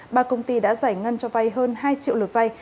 ba công ty đã giải ngân cho vai hơn hai triệu lượt vai